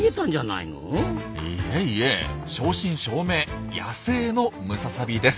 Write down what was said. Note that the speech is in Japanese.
いえいえ正真正銘野生のムササビです。